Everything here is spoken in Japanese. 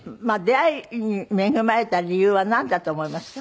出会いに恵まれた理由はなんだと思いますか？